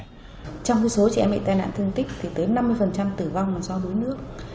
trong số trẻ em bị tai nạn thương tích tới năm mươi tử vong do đuối nước